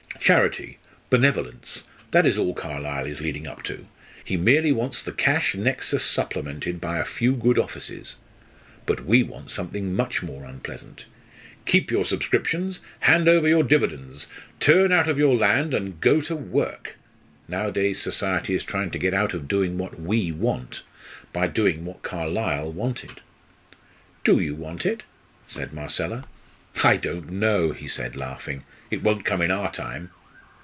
Charity benevolence that is all Carlyle is leading up to. He merely wants the cash nexus supplemented by a few good offices. But we want something much more unpleasant! 'Keep your subscriptions hand over your dividends turn out of your land and go to work!' Nowadays society is trying to get out of doing what we want, by doing what Carlyle wanted." "Do you want it?" said Marcella. "I don't know," he said, laughing. "It won't come in our time."